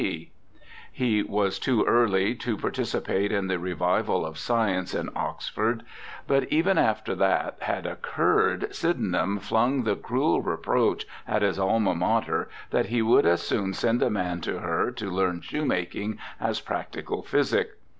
B. He was too early to participate in the revival of science in 250 BIOGRAPHICAL ESSAYS Oxford, but even after that had occurred Sydenham flung the cruel reproach at his Alma Mater that he would as soon send a man to her to learn shoemaking as practical physic.